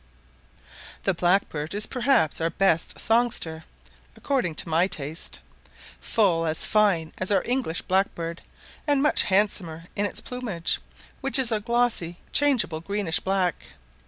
[Illustration: Snow Bunting] The blackbird is perhaps our best songster, according to my taste; full as fine as our English blackbird, and much handsomer in its plumage, which is a glossy, changeable, greenish black.